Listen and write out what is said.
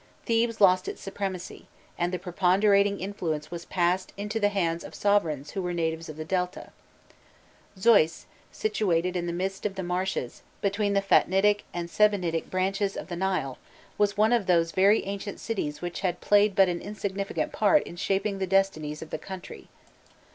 Thebes lost its supremacy, and the preponderating influence passed into the hands of sovereigns who were natives of the Delta. Xoïs, situated in the midst of the marshes, between the Phatnitic and Sebennytic branches of the Nile, was one of those very ancient cities which had played but an insignificant part in shaping the destinies of the country.